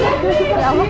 aduh aku kurang pusing